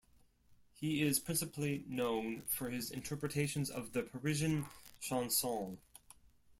He is principally known for his interpretations of the Parisian chansons.